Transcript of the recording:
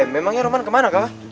memangnya roman kemana kakak